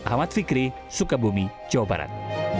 ahmad fikri sukabumi jawa barat